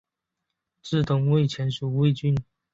至东魏前属魏郡。